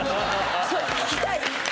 聴きたい！